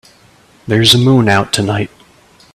There's a moon out tonight.